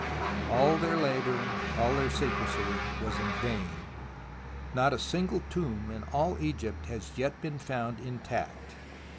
All their labour, all their secrecy, was in vain. Not a single tomb in all Egypt has yet been found intact.